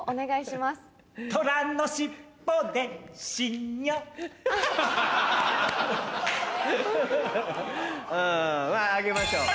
まぁあげましょう。